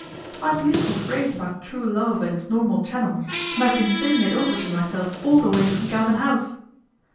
" My beautiful phrase about true love and its normal channel, and I have been saying it over to myself all the way from Galvin House."